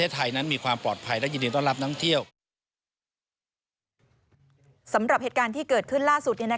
สำหรับเหตุการณ์ที่เกิดขึ้นล่าสุด